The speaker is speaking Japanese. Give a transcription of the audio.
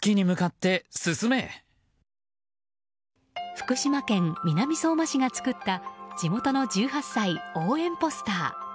福島県南相馬市が作った地元の１８歳応援ポスター。